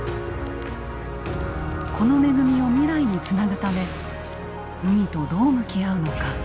この恵みを未来につなぐため海とどう向き合うのか。